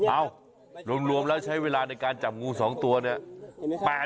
เอ้ารวมแล้วใช้เวลาในการจับงู๒ตัวเนี่ย